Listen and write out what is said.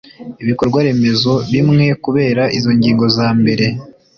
ibikorwaremezo bimwe kubera izo ngingo zambere